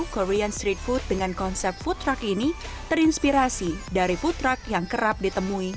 korean street food dengan konsep foodtruck ini terinspirasi dari foodtruck yang kerap ditemui